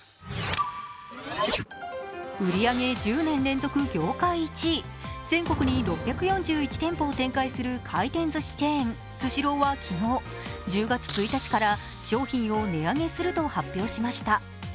売り上げ１０年連続業界１位、全国に６４１店舗を展開する回転ずしチェーン・スシローは昨日、１０月１日から商品を値上げすると発表しました。